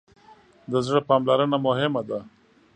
د زړه پاملرنه مهمه ده.